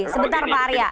sebentar pak arya